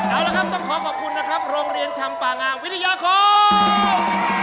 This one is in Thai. เอาละครับต้องขอขอบคุณนะครับโรงเรียนชำป่างามวิทยาคม